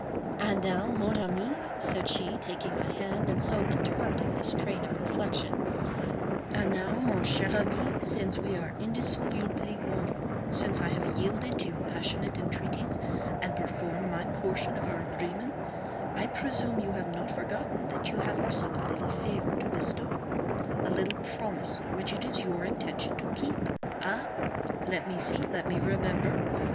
"And now, mon ami," said she, taking my hand, and so interrupting this train of reflection, "and now, mon cher ami, since we are indissolubly one—since I have yielded to your passionate entreaties, and performed my portion of our agreement—I presume you have not forgotten that you also have a little favor to bestow—a little promise which it is your intention to keep. Ah! let me see! Let me remember!